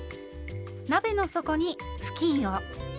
鍋の底に布巾を。